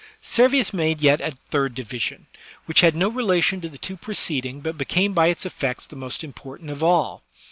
Servius made yet a third division, which had no relation to the two preceding, but became by its effects the most important of all.